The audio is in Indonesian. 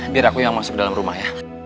biar aku yang masuk dalam rumah ya